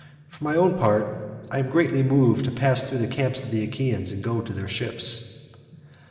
for my own part I am greatly moved to pass through the camps of the Achaeans and go to their ships."